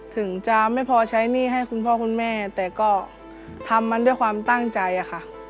ถึงจะไม่พอใช้หนี้ให้คุณพ่อคุณแม่แต่ก็ทำมันด้วยความตั้งใจค่ะ